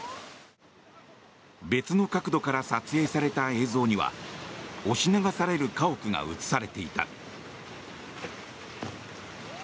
別の角度から撮影された映像には押し流される家屋が映されていた。